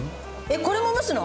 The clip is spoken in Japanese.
これも蒸すの？